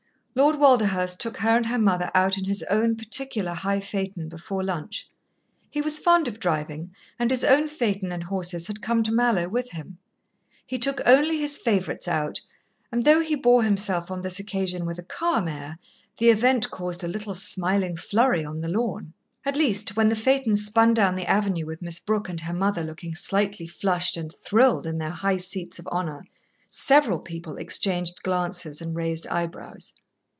Lord Walderhurst took her and her mother out in his own particular high phaeton before lunch. He was fond of driving, and his own phaeton and horses had come to Mallowe with him. He took only his favourites out, and though he bore himself on this occasion with a calm air, the event caused a little smiling flurry on the lawn. At least, when the phaeton spun down the avenue with Miss Brooke and her mother looking slightly flushed and thrilled in their high seats of honour, several people exchanged glances and raised eye brows.